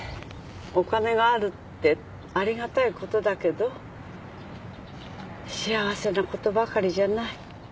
お金があるってありがたいことだけど幸せなことばかりじゃない。